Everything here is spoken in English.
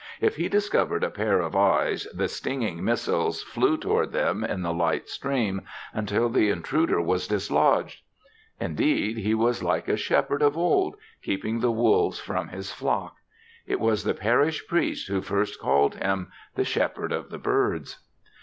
If he discovered a pair of eyes, the stinging missiles flew toward them in the light stream until the intruder was dislodged. Indeed, he was like a shepherd of old, keeping the wolves from his flock. It was the parish priest who first called him the Shepherd of the Birds.